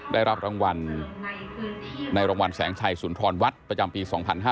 ได้รับรางวัลในรางวัลแสงชัยสุนทรวัดประจำปี๒๕๕๙